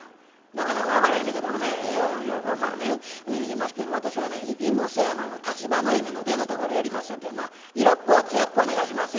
なかなか分からへんねんけどもねいやまあね言いますけど私はね『妹背山』の橘姫の出のところやりますよってにな色っぽう艶っぽうお願いしまっせ」。